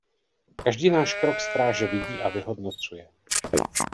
Každý náš krok stráže vidí a vyhodnocuje.